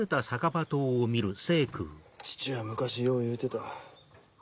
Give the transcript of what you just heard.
父は昔よう言うてた。